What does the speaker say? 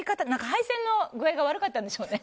配線の具合が悪かったんでしょうね。